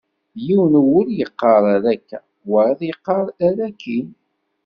Yiwen n wul yeqqar err akka, wayeḍ yeqqar err akkin.